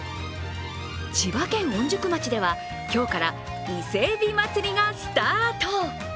千葉県御宿町では今日から伊勢えび祭りがスタート。